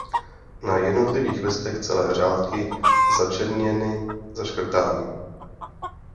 Na jednotlivých listech celé řádky začerněny, zaškrtány.